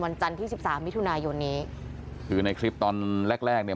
จันทร์ที่สิบสามมิถุนายนนี้คือในคลิปตอนแรกแรกเนี่ย